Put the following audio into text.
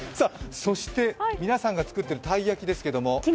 そして皆さんが作っているたい焼きですけれども。